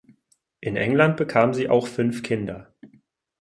In England bekam sie auch fünf Kinder.